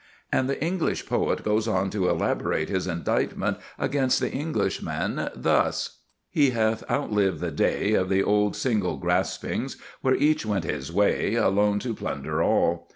And the English poet goes on to elaborate his indictment against the Englishman, thus: He hath outlived the day Of the old single graspings, where each went his way Alone to plunder all.